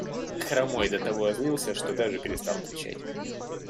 Хромой до того озлился, что даже перестал отвечать.